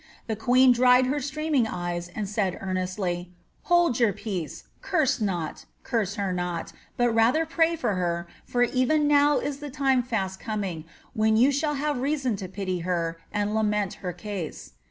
The queen dried her streaming eyes, and said earnestly, ' Hold your peace ! curee not— curse her not, but rather pray for her, for even now is the time dni coming, when you shall have reason to pity her, and lament her case.'